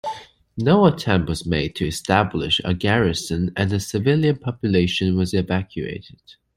No attempt was made to establish a garrison, and the civilian population was evacuated.